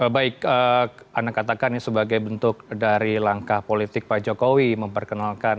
baik anda katakan ini sebagai bentuk dari langkah politik pak jokowi memperkenalkan